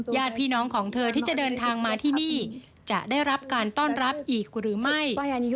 ญาติพี่น้องของเธอที่จะเดินทางมาที่นี่จะได้รับการต้อนรับอีกหรือไม่